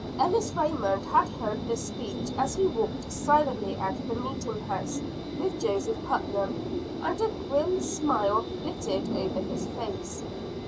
Ellis Raymond had heard this speech as he walked silently out of the meeting house with Joseph Putnam, and a grim smile flitted over his face.